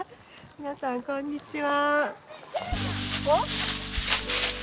皆さんこんにちは。